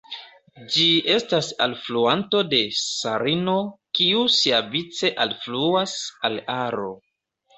Ĝi estas alfluanto de Sarino, kiu siavice alfluas al Aro.